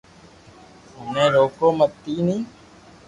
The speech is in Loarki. مني روڪو متي نو